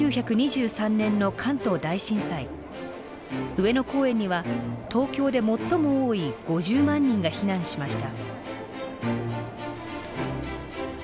上野公園には東京で最も多い５０万人が避難しました。